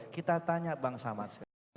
kita tanya bang samad